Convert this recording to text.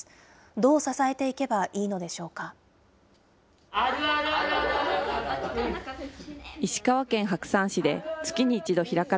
どう支えていけばいいのでしょうか。